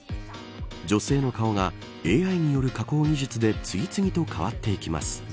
女性の顔がＡＩによる加工技術で次々と変わっていきます。